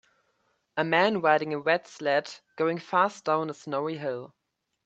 a man riding a red sled going fast down a snowy hill